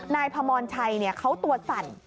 นายพามอนชัยเขาตรวจสั่น